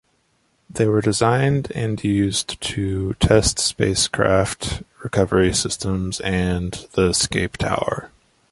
They were designed and used to test spacecraft recovery systems and the escape tower.